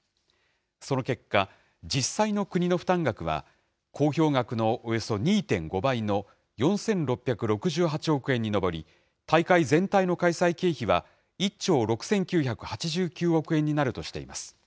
その結果、実際の国の負担額は、公表額のおよそ２．５倍の４６６８億円に上り、大会全体の開催経費は１兆６９８９億円になるとしています。